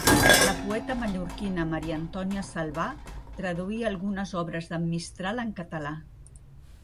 La poeta mallorquina Maria Antònia Salvà traduí algunes obres d'en Mistral en català.